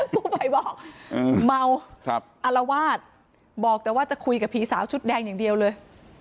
กู้ภัยบอกเมาอารวาสบอกแต่ว่าจะคุยกับผีสาวชุดแดงอย่างเดียวเลย